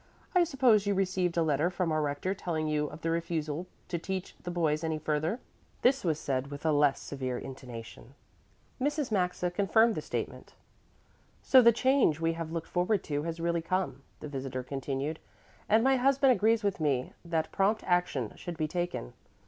I suppose you received a letter from our Rector telling you of the refusal to teach the boys any further." This was said with a less severe intonation. Mrs. Maxa confirmed the statement. "So the change we have looked forward to has really come," the visitor continued, "and my husband agrees with me that prompt action should be taken.